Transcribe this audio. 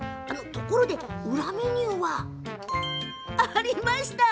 ところで裏メニューはありました！